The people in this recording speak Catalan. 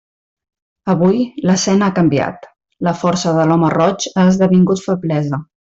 Avui, l'escena ha canviat: la força de l'home roig ha esdevingut feblesa.